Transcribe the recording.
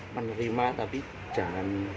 menerima tapi jangan